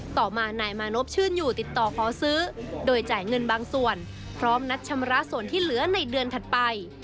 ต่อมานายมานพชื่นอยู่ติดต่อขอซื้อโดยจ่ายเงินบางส่วนพร้อมนัดชำระส่วนที่เหลือในเดือนถัดไป